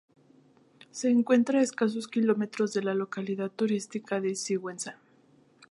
Se encuentra a escasos kilómetros de la localidad turística de Sigüenza.